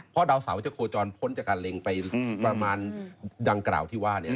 เพราะดาวเสาจะโคจรพ้นจากการเล็งไปประมาณดังกล่าวที่ว่า